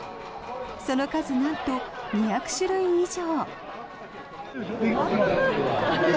その数なんと２００種類以上。